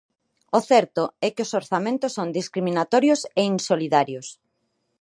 O certo é que os orzamentos son discriminatorios e insolidarios.